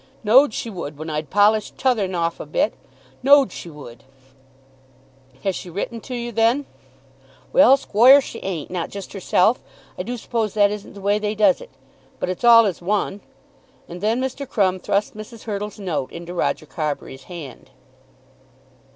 Know'd she would when I'd polish'd t'other un off a bit; know'd she would." "Has she written to you, then?" "Well, squoire, she ain't; not just herself. I do suppose that isn't the way they does it. But it's all as one." And then Mr. Crumb thrust Mrs. Hurtle's note into Roger Carbury's hand.